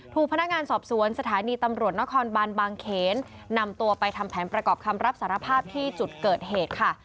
ถูกพนักงานสอบสวนสถานีตำรวจนครบานบางเขนนำตัวไปทำแผนประกอบคำรับสารภาพที่จุดเกิดเหตุค่ะ